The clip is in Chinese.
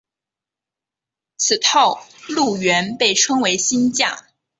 此套路原被称为新架。